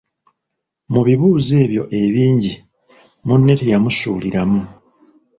Mu bibuuzo ebyo ebingi, munne teyamusuulirira.